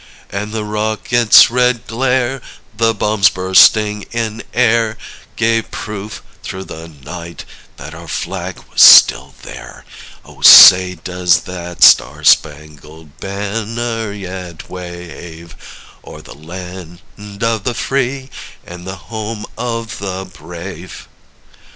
And the rocket's red glare the bombs bursting in air Gave proof through the night that our flag was still there; Oh, say, does that Star Spangled Banner yet wave O'er the land of the free and the home of the brave?